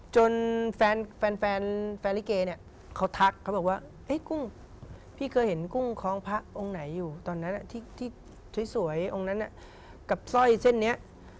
จนแฟนลิเกเนี่ยเขาทักเขาบอกว่ากุ้งพี่เคยเห็นกุ้งคล้องพระองค์ไหนอยู่ตอนนั้นที่สวยองค์นั้นกับสร้อยเส้นนี้